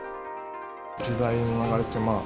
時代の流れって、まあ、